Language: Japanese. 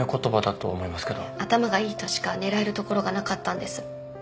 頭がいい人しか狙えるところがなかったんです。